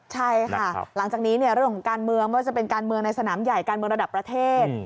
ใช่ค่ะหลังจากนี้เรื่องของการเมืองไม่ว่าจะเป็นการเมืองในสนามใหญ่การเมืองระดับประเทศ